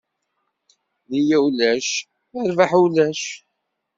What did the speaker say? Nniya ulac, rrbaḥ ulac.